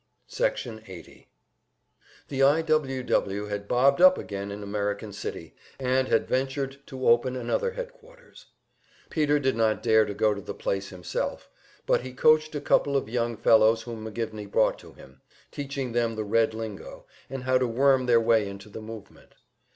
Section 80 The I. W. W. had bobbed up again in American City, and had ventured to open another headquarters. Peter did not dare go to the place himself, but he coached a couple of young fellows whom McGivney brought to him, teaching them the Red lingo, and how to worm their way into the movement.